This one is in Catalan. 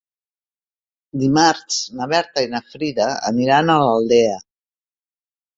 Dimarts na Berta i na Frida aniran a l'Aldea.